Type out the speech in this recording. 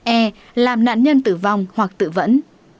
e làm nạn nhân tử vong hoặc tự vẫn